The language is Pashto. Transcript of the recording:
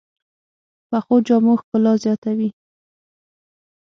پخو جامو ښکلا زیاته وي